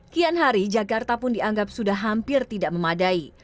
kian hari jakarta pun dianggap sudah hampir tidak memadai